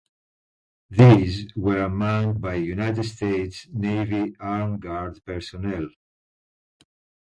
These were manned by United States Navy Armed Guard personnel.